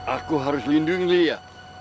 aku harus lindungi lya